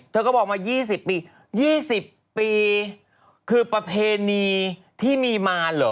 เธอก็บอกมา๒๐ปี๒๐ปีคือประเพณีที่มีมาเหรอ